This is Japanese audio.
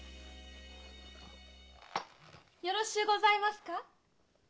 よろしゅうございますか？